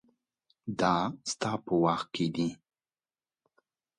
دا ستا په واک کې دي